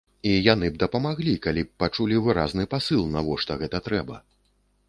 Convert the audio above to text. І яны б дапамаглі, калі б пачулі выразны пасыл, навошта гэта трэба.